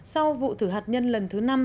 sau vụ thử hạt nhân lần thứ năm